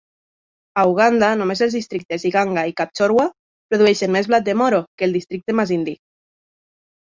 A Uganda, només els districtes Iganga i Kapchorwa produeixen més blat de moro que el districte Masindi.